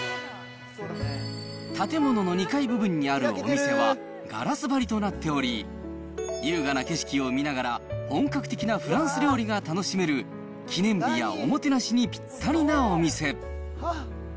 建物の２階部分にあるお店は、ガラス張りとなっており、優雅な景色を見ながら本格的なフランス料理が楽しめる、記念日やおもてなしにぴったりなお店。